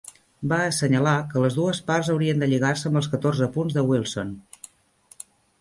Va assenyalar que les dues parts haurien de lligar-se amb els catorze punts de Wilson.